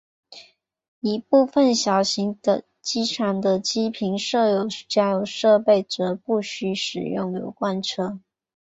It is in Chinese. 一部份小型机场的机坪设有加油设备则不需使用油罐车。